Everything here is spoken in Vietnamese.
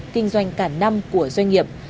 kinh doanh cả năm của doanh nghiệp